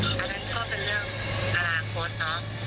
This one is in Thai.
ออันตราร์จีนก็เป็นเรื่องระหล่างโค้ดนะ